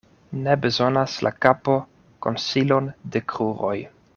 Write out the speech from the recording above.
Ne bezonas la kapo konsilon de kruroj.